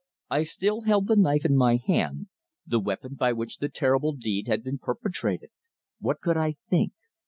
I still held the knife in my hand the weapon by which the terrible deed had been perpetrated. What could I think?